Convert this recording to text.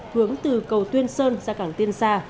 hướng từ cầu tuyên sơn ra cảng tiên sa